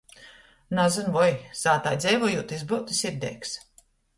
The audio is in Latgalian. Nazyn voi, sātā dzeivojūt, jis byutu sirdeigs...